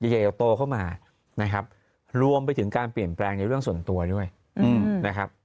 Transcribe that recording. ใหญ่โตเข้ามานะครับรวมไปถึงการเปลี่ยนแปลงในเรื่องส่วนตัวด้วยนะครับ